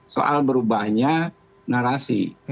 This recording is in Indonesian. soal berubahnya narasi